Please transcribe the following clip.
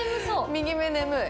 右目眠い。